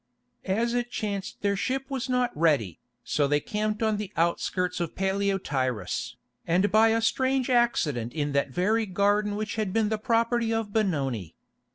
As it chanced their ship was not ready, so they camped on the outskirts of Paleotyrus, and by a strange accident in that very garden which had been the property of Benoni.